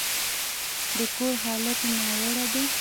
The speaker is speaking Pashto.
د کور حالت يې ناوړه دی.